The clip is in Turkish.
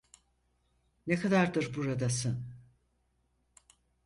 Ne kadardır buradasın?